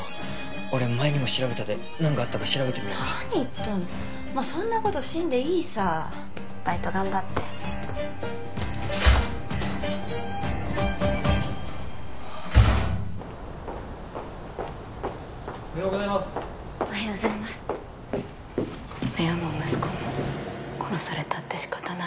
俺前にも調べたで何があったか調べてみよか何言っとんのもうそんなことしんでいいさバイト頑張ってはあおはようございますおはようございます親も息子も殺されたってしかたない